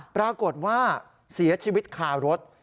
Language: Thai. ปรากฏว่าเสียชีวิตคารถ